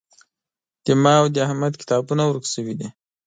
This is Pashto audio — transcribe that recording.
زما او د احمد کتابونه ورک شوي دي